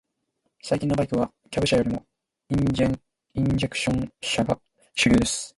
最近のバイクは、キャブ車よりもインジェクション車が主流です。